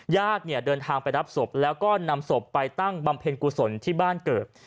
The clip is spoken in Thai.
ญาติเนี่ยเดินทางไปรับศพแล้วก็นำศพไปตั้งบำเพ็ญกุศลที่บ้านเกิด